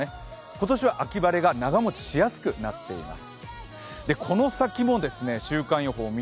今年は秋晴れが長もちしやすくなっています。